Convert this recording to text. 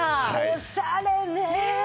おしゃれね！